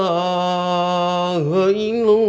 begitu caranya belanja belanja